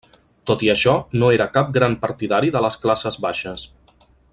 Tot i això, no era cap gran partidari de les classes baixes.